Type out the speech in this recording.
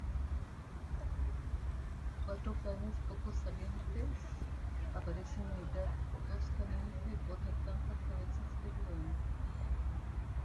Cuatro canes poco salientes aparecen imitar toscamente otras tantas cabezas de león.